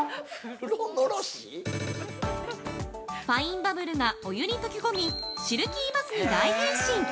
◆ファインバブルがお湯に溶け込みシルキーバスに大変身。